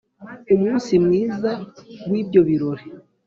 Umunsi mwiza w'ibyo birori